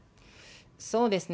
そうですね。